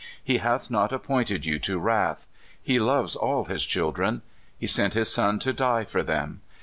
He hath not ap pointed you to wrath. He loves all his children. He sent his Son to die for them.